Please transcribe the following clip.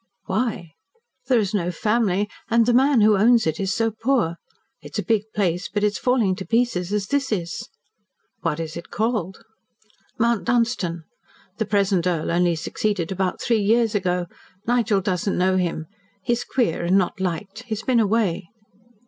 "Why?" "There is no family, and the man who owns it is so poor. It is a big place, but it is falling to pieces as this is. "What is it called?" "Mount Dunstan. The present earl only succeeded about three years ago. Nigel doesn't know him. He is queer and not liked. He has been away."